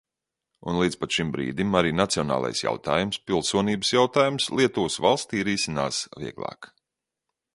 Un līdz pat šim brīdim arī nacionālais jautājums, pilsonības jautājums Lietuvas valstī risinās vieglāk.